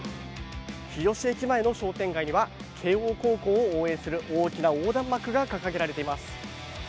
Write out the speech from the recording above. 日吉駅前の商店街には、慶応高校を応援する、大きな横断幕が掲げられています。